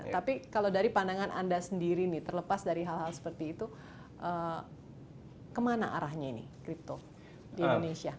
tapi kalau dari pandangan anda sendiri nih terlepas dari hal hal seperti itu kemana arahnya ini crypto di indonesia